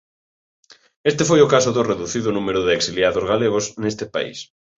Este foi o caso do reducido número de exiliados galegos neste país.